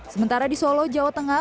sementara di solo jawa tengah